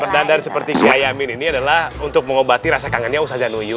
perdandan seperti kiai amin ini adalah untuk mengobati rasa kangennya ustadz januyo